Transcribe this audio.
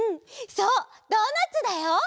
そうドーナツだよ！